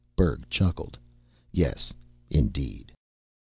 Berg chuckled. "Yes, indeed."